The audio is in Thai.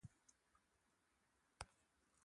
ฟันของเขาถูกปิดด้วยการคลิกครั้งสุดท้าย